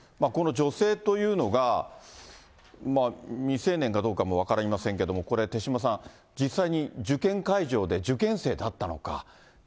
この女性というのが、未成年かどうかも分かりませんけれども、手嶋さん、実際に受験会場で、受験生だったのか。